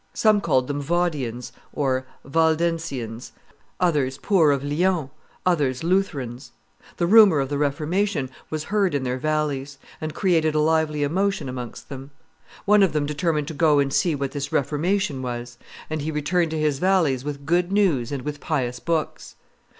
Some called them Vaudians (Waldensians), others poor of Lyons, others Lutherans. The rumor of the Reformation was heard in their valleys, and created a lively emotion amongst them. One of them determined to go and see what this reformation was; and he returned to his valleys with good news and with pious books.